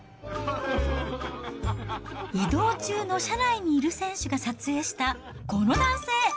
移動中の車内にいる選手が撮影したこの男性。